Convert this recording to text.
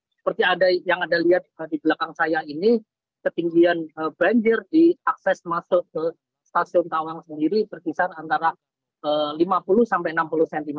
seperti yang anda lihat di belakang saya ini ketinggian banjir di akses masuk ke stasiun tawang sendiri berkisar antara lima puluh sampai enam puluh cm